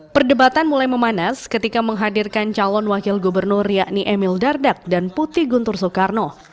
perdebatan mulai memanas ketika menghadirkan calon wakil gubernur yakni emil dardak dan putih guntur soekarno